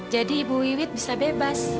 jadi ibu wiwid bisa bebas